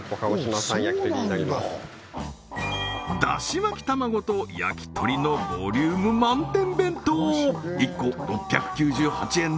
だし巻き玉子と焼き鳥のボリューム満点